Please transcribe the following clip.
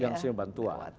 yang diberi bantuan